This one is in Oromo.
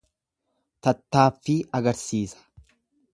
Tattaaffii agarsiisa.